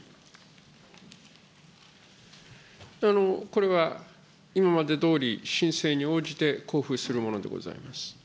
これは、今までどおり申請に応じて交付するものでございます。